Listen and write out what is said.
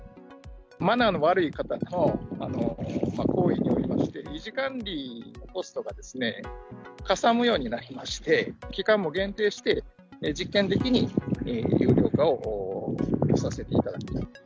マナーの悪い方の行為によりまして、維持管理のコストがですね、かさむようになりまして、期間も限定して、実験的に有料化をさせていただいた。